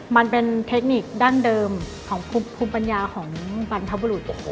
มันเป็นเทคนิคดั้งเดิมของภูมิปัญญาของบรรพบุรุษ